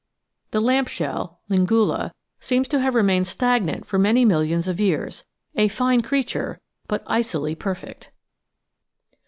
The Lamp shell, Lingula, seems to have remained stagnant for many millions of years — ^a fine creature, but icily perfect.